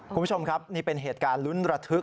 คุณผู้ชมครับนี่เป็นเหตุการณ์ลุ้นระทึก